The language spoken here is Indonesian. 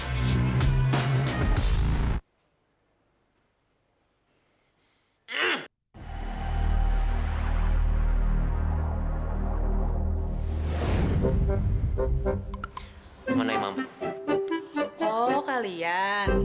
gue mau luluran sini kenapa emang